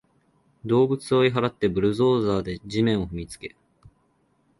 動物を追い払って、ブルドーザーで地面を踏みつけ